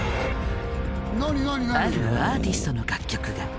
あるアーティストの楽曲が。